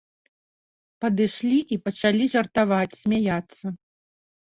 Падышлі і пачалі жартаваць, смяяцца.